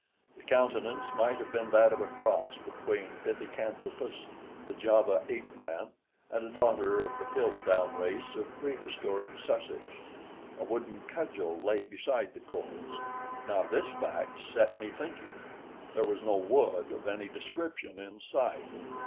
The countenance might have been that of a cross between Pithecanthropus, the Java ape man, and a daughter of the Piltdown race of prehistoric Sussex. A wooden cudgel lay beside the corpse. Now this fact set me thinking. There was no wood of any description in sight.